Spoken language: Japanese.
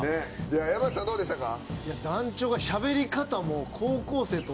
山内さんどうでしたか？